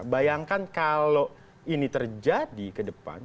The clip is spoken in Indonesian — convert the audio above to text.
bayangkan kalau ini terjadi ke depan